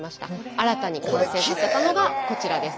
新たに完成させたのがこちらです。